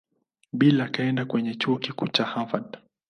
Bill akaenda kwenye Chuo Kikuu cha Harvard.